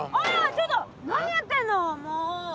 ちょっと何やってんのもう！